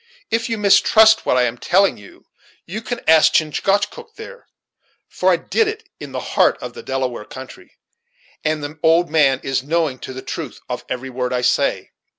If you mistrust what I am telling you, you can ask Chingachgook there, for I did it in the heart of the Delaware country, and the old man is knowing to the truth of every word I say."